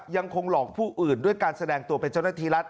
ยังคงหลอกผู้อื่นด้วยการแสดงตัวเป็นเจ้าหน้าที่รัฐ